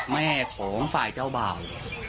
แม่ของฝ่ายเจ้าบ่าว